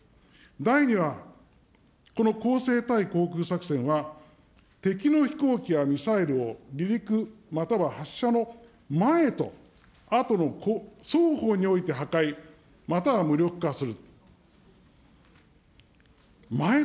第２は、この攻勢対航空作戦は敵の飛行機やミサイルを離陸または発射の前と後の双方において破壊、または無力化する。